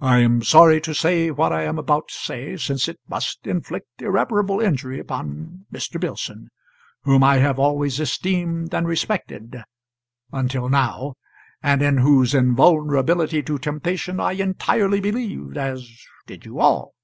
I am sorry to say what I am about to say, since it must inflict irreparable injury upon Mr. Billson, whom I have always esteemed and respected until now, and in whose invulnerability to temptation I entirely believed as did you all.